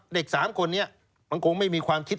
เด็ก๓คนนี้มันคงไม่มีความคิด